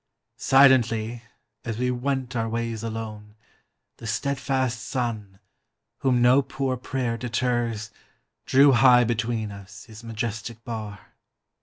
Silently, as we went our ways alone, The steadfast sun, whom no poor prayer deters, Drew high between us his majestic bar.